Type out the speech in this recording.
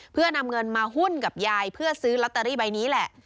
เพื่อนำเงินมาหุ้นกับยายเพื่อซื้อลอตเตอรี่ใบนี้แหละ